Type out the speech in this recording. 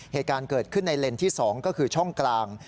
เหตุการณ์เกิดขึ้นในเลนส์ที่๒ก็คือช่องกลาง